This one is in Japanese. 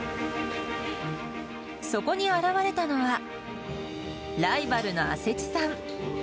そこに現れたのは、ライバルの阿世知さん。